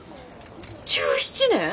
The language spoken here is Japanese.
１７年！？